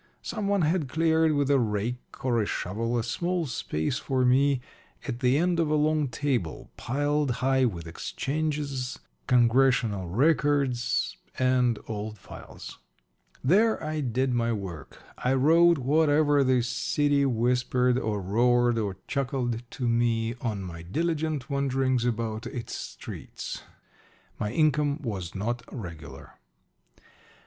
Some one had cleared with a rake or a shovel a small space for me at the end of a long table piled high with exchanges, Congressional Records, and old files. There I did my work. I wrote whatever the city whispered or roared or chuckled to me on my diligent wanderings about its streets. My income was not regular.